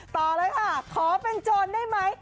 ต่อเลยค่ะขอเป็นโจรได้ไหม